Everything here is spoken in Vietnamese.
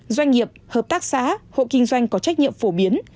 doanh nghiệp hợp tác xã hộ kinh doanh có trách nhiệm phổ biến